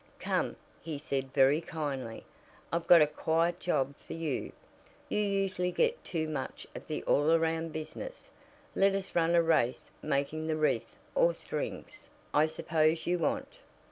"Come," he said very kindly, "I've got a quiet job for you. You usually get too much of the all around business. Let us run a race making the wreath, or strings, I suppose you want.